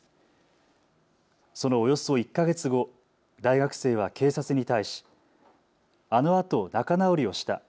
そのおよそ１か月後、大学生は警察に対しあのあと仲直りをした。